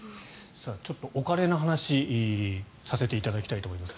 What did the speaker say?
お金の話をさせていただきたいと思います。